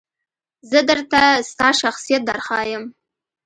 زه درته ستا شخصیت درښایم .